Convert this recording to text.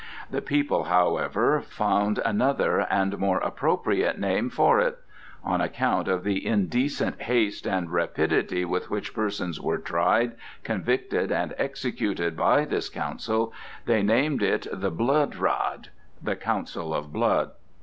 The people, however, found another, and more appropriate name for it. On account of the indecent haste and rapidity with which persons were tried, convicted, and executed by this Council, they named it "The Bloedraad" (The Council of Blood).